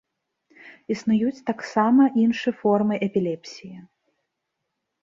Існуюць таксама іншы формы эпілепсіі.